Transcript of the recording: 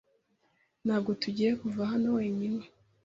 Ntabwo tugiye kuva hano wenyine.